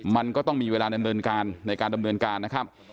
มันก็ต้องมีเวลาในการดำเนินการนะครับ